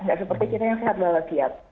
nggak seperti kita yang sehat walau siap